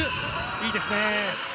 いいですね。